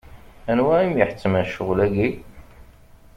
Anwa i m-iḥettmen ccɣel-agi?